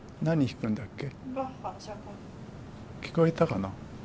聞こえたかな？